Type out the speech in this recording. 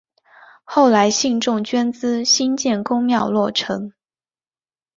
后来信众捐资兴建宫庙落成。